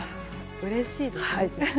うれしいですね。